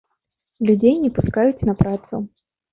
Людзей не пускаюць на працу.